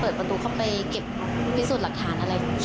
เปิดประตูเข้าไปเก็บพิสูจน์หลักฐานอะไร